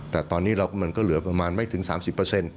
แต่ตอนนี้มันก็เหลือประมาณไม่ถึง๓๐เปอร์เซ็นต์